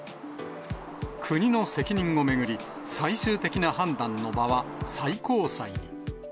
国の責任を巡り、最終的な判断の場は最高裁に。